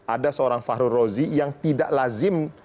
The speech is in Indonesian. ada seorang fahru rozi yang tidak lazim